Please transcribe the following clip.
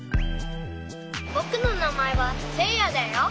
ぼくのなまえはせいやだよ。